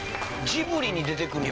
ジブリに出てくる。